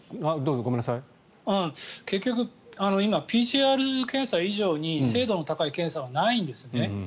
結局、今ＰＣＲ検査以上に精度の高い検査はないんですね。